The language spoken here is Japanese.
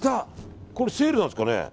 これセールなんですかね。